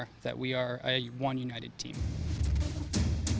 bahwa kita adalah satu tim berkumpul